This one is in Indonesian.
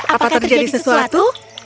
apa terjadi sesuatu